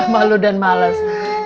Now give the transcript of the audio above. malu dan malas